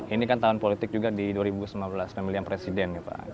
ini kan tahun politik juga di dua ribu sembilan belas pemilihan presiden